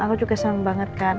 aku juga senang banget kan